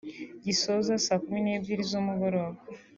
gisoza saa kumi n’ebyiri z’umugoroba